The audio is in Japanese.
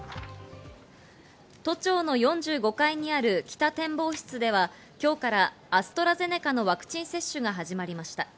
都庁の４５階にある北展望室では、今日からアストラゼネカのワクチン接種が始まりました。